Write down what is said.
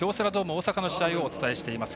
大阪の試合をお伝えしています。